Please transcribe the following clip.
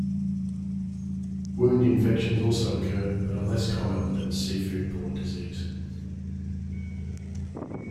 Wound infections also occur, but are less common than seafood-borne disease.